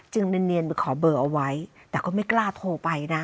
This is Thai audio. เนียนไปขอเบอร์เอาไว้แต่ก็ไม่กล้าโทรไปนะ